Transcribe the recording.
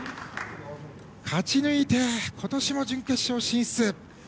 勝ち抜いて、今年も準決勝進出。